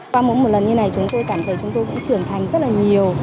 qua mỗi một lần như này chúng tôi cảm thấy chúng tôi cũng trưởng thành rất là nhiều